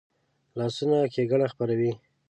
لاسونه ښېګڼه خپروي